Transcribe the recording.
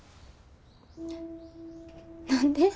何で？